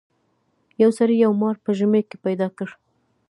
یو سړي یو مار په ژمي کې پیدا کړ.